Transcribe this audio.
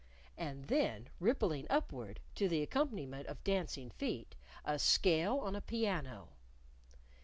_" and then, rippling upward, to the accompaniment of dancing feet, a scale on a piano.